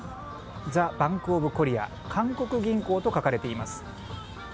ザ・バンク・オブ・コリア韓国銀行と書かれています。